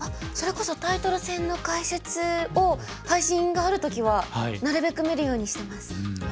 それこそタイトル戦の解説を配信がある時はなるべく見るようにしてます。